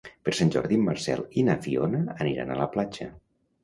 Per Sant Jordi en Marcel i na Fiona aniran a la platja.